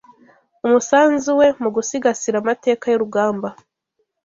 umusanzu we mu gusigasira amateka y’urugamba